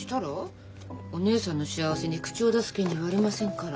お姉さんの幸せに口を出す権利はありませんから。